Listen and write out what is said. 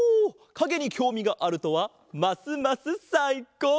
かげにきょうみがあるとはますますさいこう！